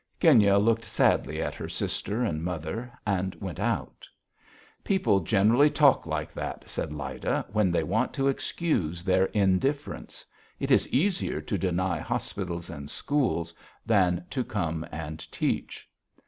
Genya looked sadly at her sister and mother and went out. "People generally talk like that," said Lyda, "when they want to excuse their indifference. It is easier to deny hospitals and schools than to come and teach."